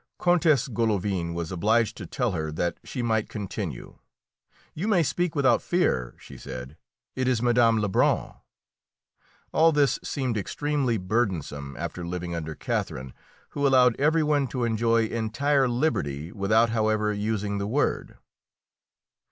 Countess Golovin was obliged to tell her that she might continue. "You may speak without fear," she said; "it is Mme. Lebrun." All this seemed extremely burdensome after living under Catherine, who allowed every one to enjoy entire liberty without, however, using the word.